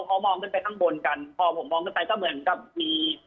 พอมองขึ้นไปข้างบนกันพอผมมองขึ้นไปก็เหมือนกับมี